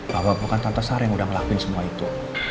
bahwa bukan tante sar yang udah ngelakuin semua itu